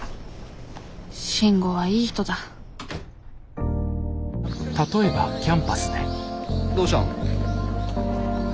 慎吾はいい人だどうしたん？